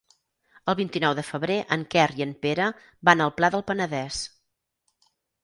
El vint-i-nou de febrer en Quer i en Pere van al Pla del Penedès.